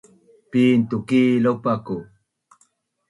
Pin tuki lopaku?